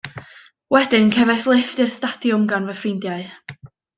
Wedyn, cefais lifft i'r stadiwm gan fy ffrindiau.